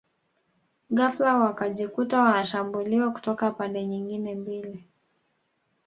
Ghafla wakajikuta wanashambuliwa kutoka pande nyingine mbili